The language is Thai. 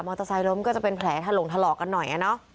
มอเตอร์ไซค์ล้มก็จะเป็นแผลถลงทะเลาะกันหน่อย